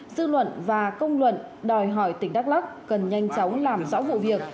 dư luận và công luận đòi hỏi tỉnh đắk lắc cần nhanh chóng làm rõ vụ việc